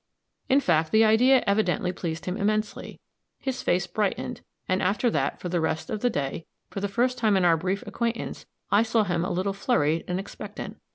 In fact, the idea evidently pleased him immensely; his face brightened, and after that, for the rest of the day, for the first time in our brief acquaintance, I saw him a little flurried and expectant.